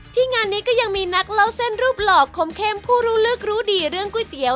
งานนี้ก็ยังมีนักเล่าเส้นรูปหล่อคมเข้มผู้รู้ลึกรู้ดีเรื่องก๋วยเตี๋ยว